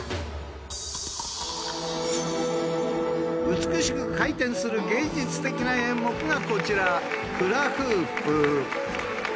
美しく回転する芸術的な演目がこちら。